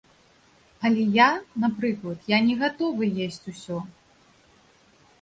Але я, напрыклад, я не гатовы есць усё.